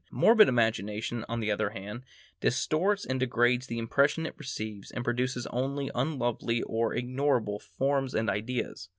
Morbid imagination, on the other hand, distorts and degrades the impressions it receives and produces only unlovely or ignoble forms and ideas.